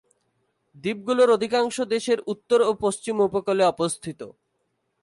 দ্বীপগুলোর অধিকাংশই দেশের উত্তর ও পশ্চিম উপকূলে অবস্থিত।